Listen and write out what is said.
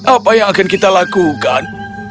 apa yang akan kita lakukan